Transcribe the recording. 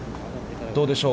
どうでしょう。